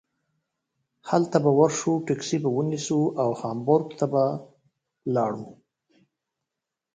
هلته به ور شو ټکسي به ونیسو او هامبورګ ته به لاړو.